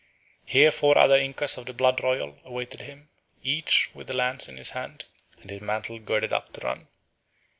Here four other Incas of the blood royal awaited him, each with a lance in his hand, and his mantle girded up to run.